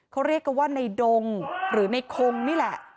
เขาเรียกกันว่าในดงหรือในคงนี่แหละ